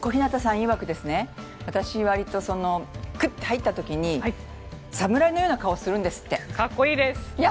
いわく私、割とクッと入ったときに侍のような顔をするんですって。